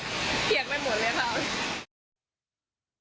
เหลียดไปหมดเลยค่ะ